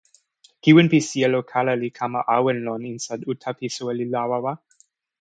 kiwen pi sijelo kala li kama awen lon insa uta pi soweli Lawawa.